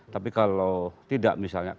tapi kalau tidak misalnya